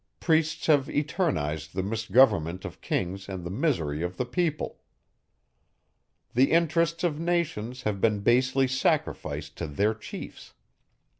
priests have eternized the misgovernment of kings and the misery of the people; the interests of nations have been basely sacrificed to their chiefs.